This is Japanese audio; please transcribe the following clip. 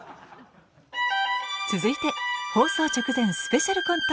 続いて放送直前スペシャルコント